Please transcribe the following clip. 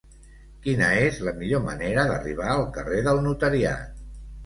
Quina és la millor manera d'arribar al carrer del Notariat?